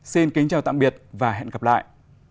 xin kính chào tạm biệt và hẹn gặp lại